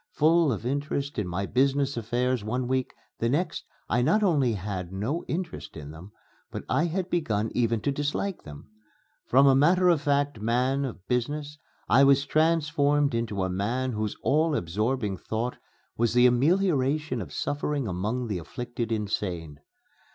Full of interest in my business affairs one week, the next I not only had no interest in them, but I had begun even to dislike them. From a matter of fact man of business I was transformed into a man whose all absorbing thought was the amelioration of suffering among the afflicted insane.